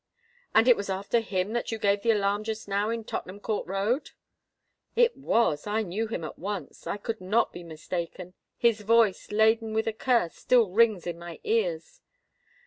"And it was after him that you gave the alarm just now in Tottenham Court Road?" "It was. I knew him at once—I could not be mistaken: his voice, laden with a curse, still rings in my ears."